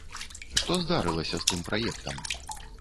Што здарылася з тым праектам?